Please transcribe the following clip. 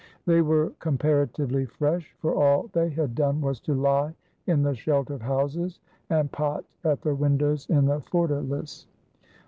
They were comparatively fresh, for all they had done was to lie in the shelter of houses, and pot at the win dows in the fortaHce.